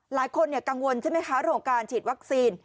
หลายคนกังวลใช่ไหมคะถึงการฉีดวัคซีน